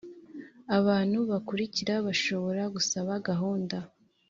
Abantu bakurikira bashobora gusaba gahunda